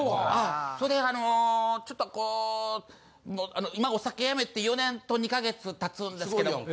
それであのちょっとこう今お酒やめて４年と２か月経つんですけど。